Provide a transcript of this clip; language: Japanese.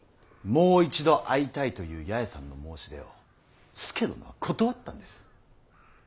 もう一度会いたいという八重さんの申し出を佐殿は断ったんです。